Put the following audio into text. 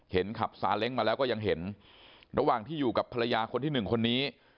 ขับซาเล้งมาแล้วก็ยังเห็นระหว่างที่อยู่กับภรรยาคนที่หนึ่งคนนี้